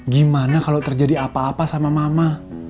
gimana kalau terjadi apa apa sama mama